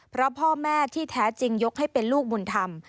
เพราะพ่อแม่ที่แท้จริงยกให้เป็นลูกบุญธรรม